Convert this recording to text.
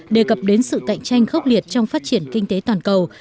đề cập đến sự cạnh tranh khốc liệt trong phát triển kinh tế toàn cầu